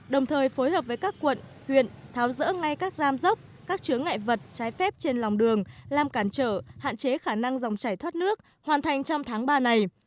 đồng thời phối hợp với các quận huyện tháo rỡ ngay các gian dốc các chứa ngại vật trái phép trên lòng đường làm cản trở hạn chế khả năng dòng chảy thoát nước hoàn thành trong tháng ba này